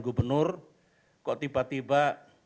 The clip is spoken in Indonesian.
gubernur kok tiba tiba